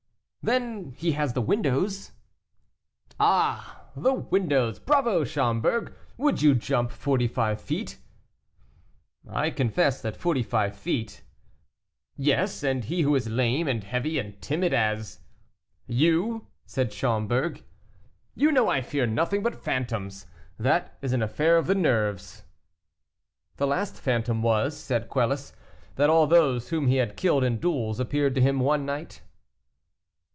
"Then he has the windows." "Ah! the windows, bravo, Schomberg; would you jump forty five feet?" "I confess that forty five feet " "Yes, and he who is lame, and heavy, and timid as " "You," said Schomberg. "You know I fear nothing but phantoms that is an affair of the nerves." "The last phantom was," said Quelus, "that all those whom he had killed in duels appeared to him one night."